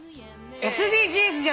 ＳＤＧｓじゃない。